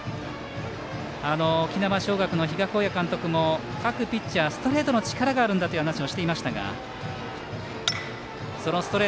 沖縄尚学の比嘉監督も各ピッチャーストレートの力があるんだと話をしていましたが。